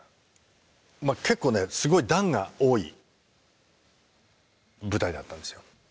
まあ結構ねすごい段が多い舞台だったんですよ。